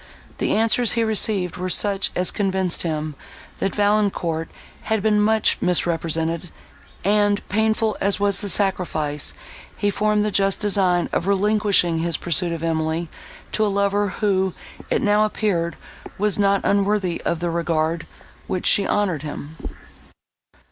The answers he received were such as convinced him, that Valancourt had been much misrepresented, and, painful as was the sacrifice, he formed the just design of relinquishing his pursuit of Emily to a lover, who, it now appeared, was not unworthy of the regard, with which she honoured him.